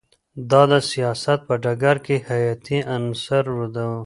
دا د سیاست په ډګر کې حیاتی عنصر و